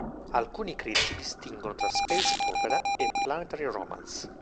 Alcuni critici distinguono tra space opera e planetary romance.